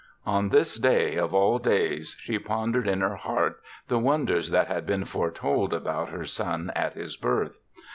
On this day, of all days, she pondered in her heart the wonders that had been foretold about her son at his birth.